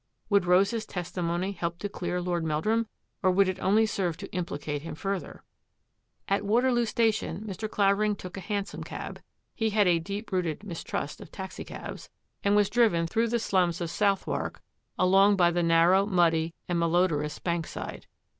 Would Rose's testimony help to clear Lord Meldrum, or would it only serve to implicate him further? At Waterloo Station Mr. Clavering took a hansom cab — he had a deep rooted mistrust of taxicabs — and was driven through the slums of THE MISSING LADY'S MAID 216 Southwark, along by the narrow, muddy, and mal odorous Bankside.